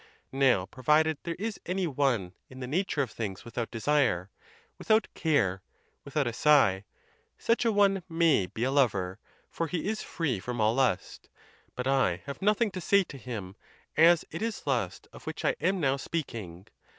Now, provided there is any one in the nature of things without desire, without care, without a sigh, such a one may be a lover; for he is free from all lust: but I have nothing to say to him, as it is lust of which I am now speaking.